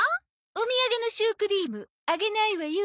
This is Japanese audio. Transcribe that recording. お土産のシュークリームあげないわよ。